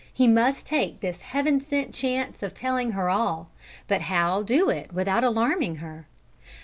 He must take this Heaven sent chance of telling her all, but how do it without alarming her?